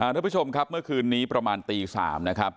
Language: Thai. ทุกผู้ชมครับเมื่อคืนนี้ประมาณตี๓นะครับ